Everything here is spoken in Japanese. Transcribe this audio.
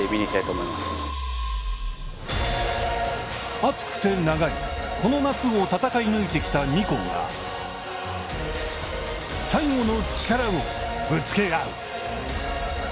暑くて長いこの夏を戦い抜いてきた２校が最後の力をぶつけ合う。